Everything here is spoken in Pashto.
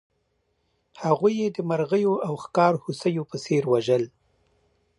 هغوی یې د مرغیو او ښکار هوسیو په څېر وژل.